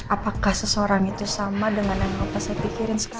apakah seseorang itu sama dengan yang apa saya pikirin sekarang